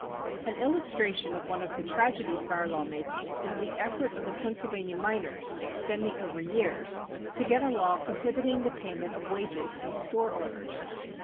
An illustration of one of the tragedies of our law making is the effort of the Pennsyl vania miners, extending oyer years, to get a law prohibiting the payment of wages in store orders.